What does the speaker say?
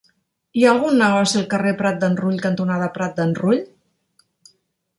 Hi ha algun negoci al carrer Prat d'en Rull cantonada Prat d'en Rull?